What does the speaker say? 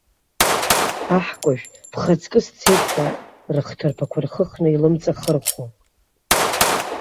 Аҳкәажә, бхаҵкы сцеит ҳәа, рыхҭарԥақәа рхыхны илымҵахырхәо.